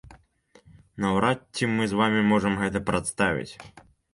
Наўрад ці мы з вамі можам гэта прадставіць.